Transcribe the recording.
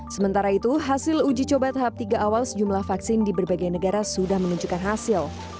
sementara itu hasil uji coba tahap tiga awal sejumlah vaksin di berbagai negara sudah menunjukkan hasil